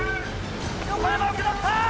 横山受け取った！